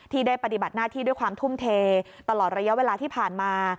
ได้ปฏิบัติหน้าที่ด้วยความทุ่มเทตลอดระยะเวลาที่ผ่านมา